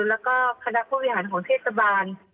แล้วก็คณะผู้บริหารของเทศบาล